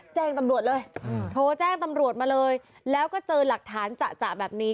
แจ้งตำรวจมาเลยแล้วก็เจอหลักฐานจ่ะแบบนี้